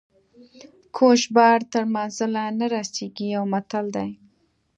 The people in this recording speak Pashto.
کوږ بار تر منزله نه رسیږي یو متل دی.